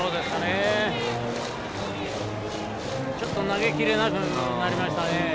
ちょっと投げきれなくなりましたね。